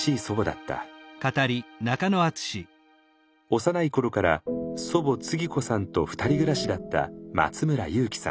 幼い頃から祖母つぎ子さんと二人暮らしだった松村雄基さん。